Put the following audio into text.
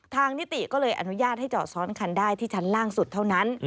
นิติก็เลยอนุญาตให้จอดซ้อนคันได้ที่ชั้นล่างสุดเท่านั้น